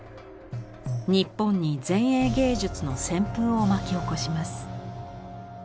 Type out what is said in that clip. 日本に前衛芸術の旋風を巻き起こします。